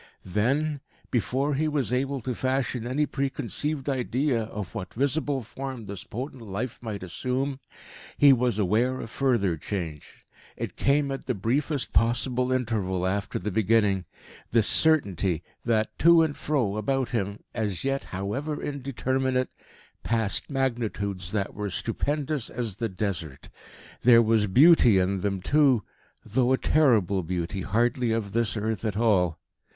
Then, before he was able to fashion any preconceived idea of what visible form this potent life might assume, he was aware of further change. It came at the briefest possible interval after the beginning this certainty that, to and fro about him, as yet however indeterminate, passed Magnitudes that were stupendous as the desert. There was beauty in them too, though a terrible beauty hardly of this earth at all.